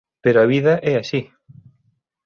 Pero a vida é así.